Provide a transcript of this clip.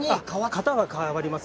型は変わります